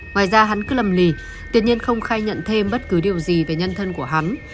ngoài ra hắn cứ lầm lì tuyệt nhiên không khai nhận thêm bất cứ điều gì về nhân thân của hắn